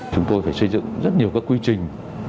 chúng tôi phải xây dựng rất nhiều các quy trình